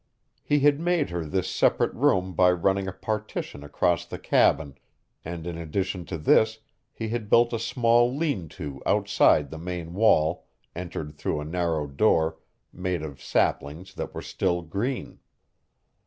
He had made her this separate room by running a partition across the cabin, and in addition to this he had built a small lean to outside the main wall entered through a narrow door made of saplings that were still green.